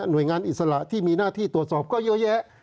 โดยงานอิสระที่มีหน้าที่ตรวจสอบก็เยอะแยะ